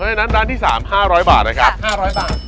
เฮ้ยนั้นร้านที่สามห้าร้อยบาทนะครับครับห้าร้อยบาท